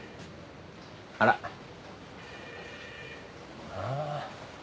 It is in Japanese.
あら。はあ。